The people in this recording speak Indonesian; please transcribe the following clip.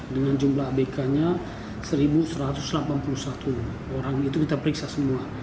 dengan jumlah abk nya satu satu ratus delapan puluh satu orang itu kita periksa semua